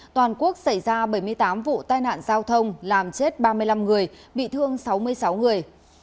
toàn quốc xảy ra bảy mươi tám vụ tai nạn giao thông làm chết ba mươi năm người bị thương sáu mươi sáu người